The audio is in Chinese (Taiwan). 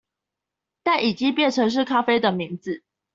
但已經變成是咖啡的名字